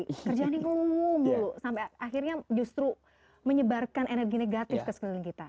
kerjanya ngeluh dulu sampe akhirnya justru menyebarkan energi negatif ke sekeliling kita